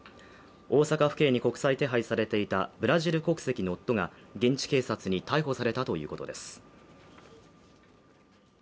大阪府警に国際手配されていたブラジル国籍の夫が、現地警察に逮捕されたということです。